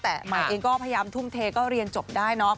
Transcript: แต่ใหม่เองก็พยายามทุ่มเทก็เรียนจบได้เนาะ